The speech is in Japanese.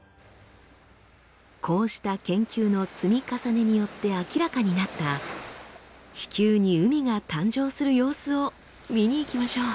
こうした研究の積み重ねによって明らかになった地球に海が誕生する様子を見に行きましょう。